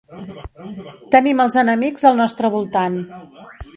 Tenim els enemics al nostre voltant.